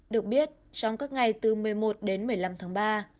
được biết trong các ngày từ một mươi một đến một mươi năm tháng ba